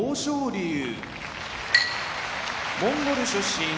龍モンゴル出身